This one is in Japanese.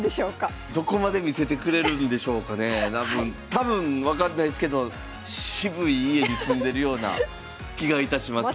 多分分かんないですけど渋い家に住んでるような気がいたします。